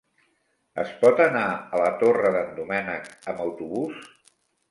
Es pot anar a la Torre d'en Doménec amb autobús?